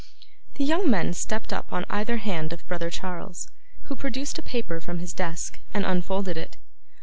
The young men stepped up on either hand of brother Charles, who produced a paper from his desk, and unfolded it.